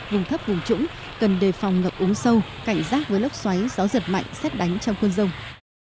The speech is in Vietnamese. vùng thấp vùng trũng cần đề phòng ngập úng sâu cảnh giác với lớp xoáy gió giật mạnh xét đánh trong khuôn rồng